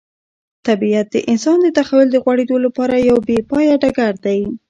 طبیعت د انسان د تخیل د غوړېدو لپاره یو بې پایه ډګر دی.